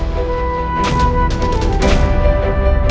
kau tidak akan puas